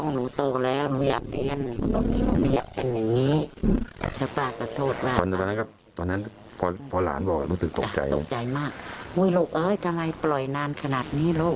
หนูก็เลยไม่บอกใครเขาครูฆ่าน้องไหมเขาไม่ครูฆ่านู